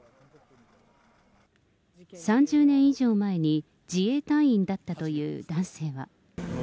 ３０年以上前に自衛隊員だったという男性は。